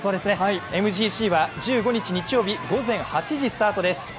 ＭＧＣは１５日日曜日、午前８時スタートです。